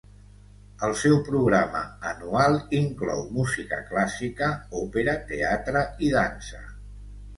El seu programa anual inclou música clàssica, òpera, teatre i dansa.